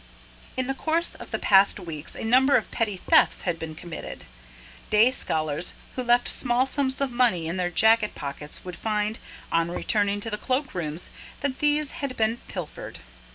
In the course of the past weeks a number of petty thefts had been committed. Day scholars who left small sums of money in their jacket pockets would find, on returning to the cloakrooms, that these had been pilfered.